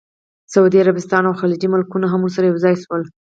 سعودي عربستان او خلیجي ملکونه هم ورسره یوځای شول.